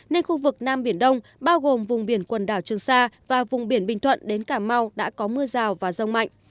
nên khu vực nam biển đông bao gồm vùng biển quần đảo trường sa và vùng biển bình thuận đến cà mau đã có mưa rào và rông mạnh